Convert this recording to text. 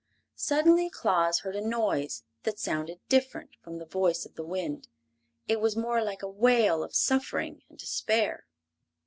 Suddenly Claus heard a noise that sounded different from the voice of the wind. It was more like a wail of suffering and despair.